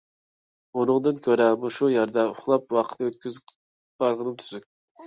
ئۇنىڭدىن كۆرە مۇشۇ يەردە ئۇخلاپ ۋاقىتنى ئۆتكۈزۈپ بارغىنىم تۈزۈك.